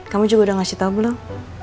kamu juga udah ngasih tau dong